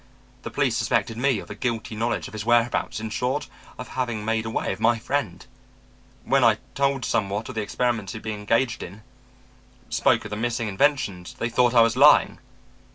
The police suspected me of a guilty knowledge of his whereabouts, in short of having made away with my friend. When I told somewhat of the experiments he had been engaged in, spoke of the missing inventions, they thought I was lying.